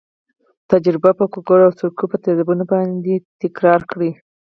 تجربه په ګوګړو او سرکې په تیزابونو باندې تکرار کړئ.